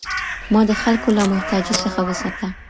ما د خلکو له محتاجۍ څخه وساته.